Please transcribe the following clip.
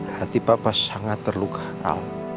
hati papa sangat terluka